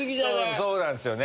そうなんすよね。